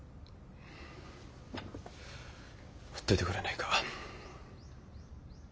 ほっといてくれないか。